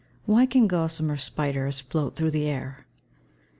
_Why can gossamer spiders float through the air?